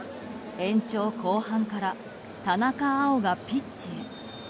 延長後半から田中碧がピッチへ。